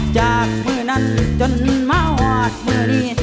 จากมือนั้นจนมาหวาดมือนี้